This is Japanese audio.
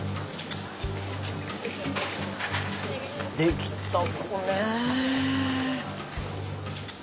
できた子ね。